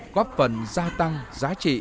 góp phần gia tăng giá trị